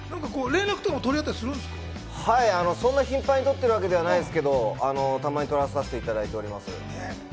連絡とか取り合ったりそんな頻繁に取ってるわけではないんですけど、たまに取らせていただいております。